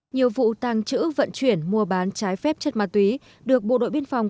nhiều vụ tàng trữ vận chuyển mua bán trái phép chất ma túy được bộ đội biên phòng